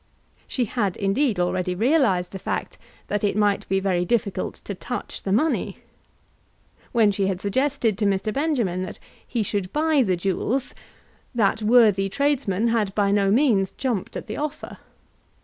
She had, indeed, already realised the fact that it might be very difficult to touch the money. When she had suggested to Mr. Benjamin that he should buy the jewels, that worthy tradesman had by no means jumped at the offer.